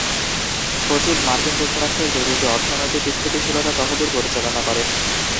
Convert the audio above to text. সচিব মার্কিন যুক্তরাষ্ট্রের জরুরী অর্থনৈতিক স্থিতিশীলতা তহবিল পরিচালনা করেন।